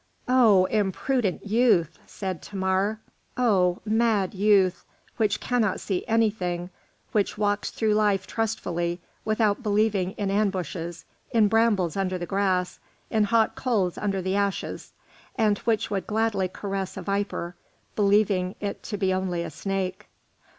"Oh, imprudent youth!" said Thamar; "oh, mad youth! which cannot see anything, which walks through life trustfully, without believing in ambushes, in brambles under the grass, in hot coals under the ashes, and which would gladly caress a viper, believing it to be only a snake.